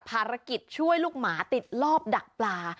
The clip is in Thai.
ภารกิจช่วยลูกหมาติดรอบดักปลา